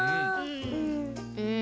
うん。